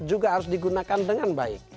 juga harus digunakan dengan baik